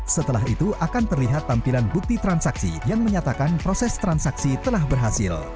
setelah itu akan terlihat tampilan bukti transaksi yang menyatakan proses transaksi telah berhasil